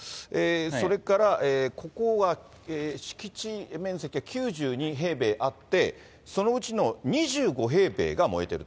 それからここは敷地面積が９２平米あって、そのうちの２５平米が燃えてるいると。